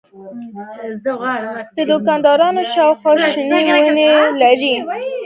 د دوکانونو شاوخوا شنې ونې ولاړې دي.